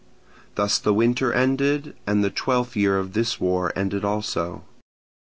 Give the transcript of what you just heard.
Thus the winter ended and the twelfth year of this war ended also.